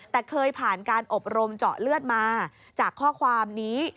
แต่เคยผ่านการอบรมเจาะเลือดมาจากข้อความนี้